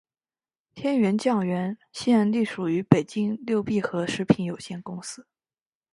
天源酱园现隶属于北京六必居食品有限公司。